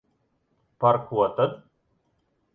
Par ko tad?